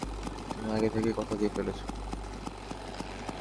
তুমি আগে থেকেই কথা দিয়ে ফেলেছ।